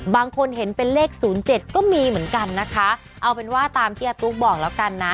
บางคนเห็นเป็นเลขศูนย์เจ็ดก็มีเหมือนกันนะคะเอาเป็นว่าตามที่อาตุ๊กบอกแล้วกันนะ